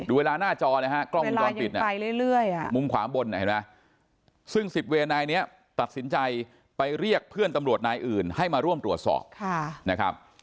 เวลาหน้าจอนะฮะกล้องมุมจอดปิดมุมขวามบนซึ่งสิบเวย์นายนี้ตัดสินใจไปเรียกเพื่อนตำรวจนายอื่นให้มาร่วมตรวจสอบ